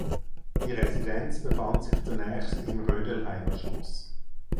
Die Residenz befand sich zunächst im Rödelheimer Schloss.